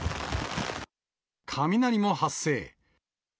雷も発生。